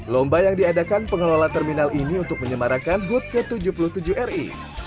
lomba yang diadakan pengelola terminal ini untuk menyemarakan hud ke tujuh puluh tujuh ri